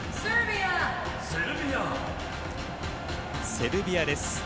セルビアです。